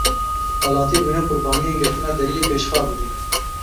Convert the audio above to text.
Welatî bûne qurbaniyên girtina deriyê Pêşxabûrê.